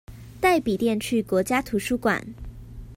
帶筆電去國家圖書館